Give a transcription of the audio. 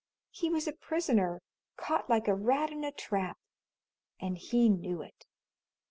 He was a prisoner, caught like a rat in a trap, and he knew it!